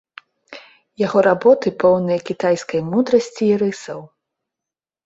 Яго работы поўныя кітайскай мудрасці і рысаў.